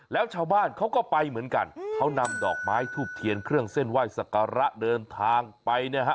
แล้วชาวบ้านเขาก็ไปเหมือนกันเขานำดอกไม้ทูบเทียนเครื่องเส้นไหว้สักการะเดินทางไปเนี่ยฮะ